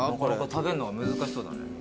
食べるのが難しそうだね。